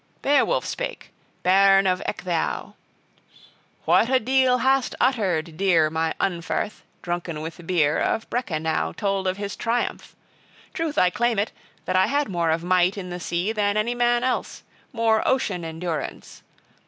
Beowulf spake, bairn of Ecgtheow: "What a deal hast uttered, dear my Unferth, drunken with beer, of Breca now, told of his triumph! Truth I claim it, that I had more of might in the sea than any man else, more ocean endurance.